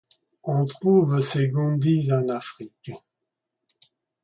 On trouve ces gundis en Afrique.